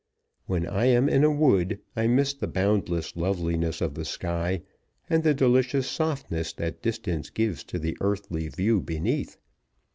When I am in a wood, I miss the boundless loveliness of the sky, and the delicious softness that distance gives to the earthly view beneath.